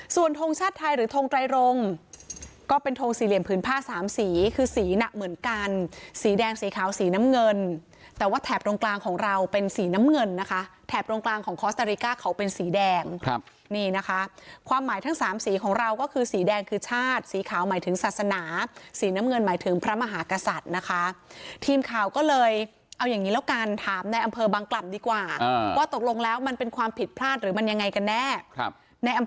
ส่วนทรงชาติไทยหรือทรงไตรงก็เป็นทรงสี่เหลี่ยมผืนผ้า๓สีคือสีหนักเหมือนกันสีแดงสีขาวสีน้ำเงินแต่ว่าแถบตรงกลางของเราเป็นสีน้ำเงินนะคะแถบตรงกลางของคอสเตอริกาเขาเป็นสีแดงนี่นะคะความหมายทั้ง๓สีของเราก็คือสีแดงคือชาติสีขาวหมายถึงศาสนาสีน้ำเงินหมายถึงพระมหากษัตริ